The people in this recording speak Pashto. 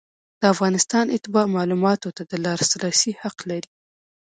د افغانستان اتباع معلوماتو ته د لاسرسي حق لري.